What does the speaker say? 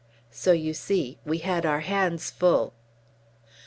So, you see, we had our hands full.